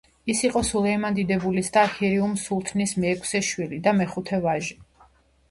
ის იყო სულეიმან დიდებულის და ჰიურემ სულთნის მეექვსე შვილი და მეხუთე ვაჟი.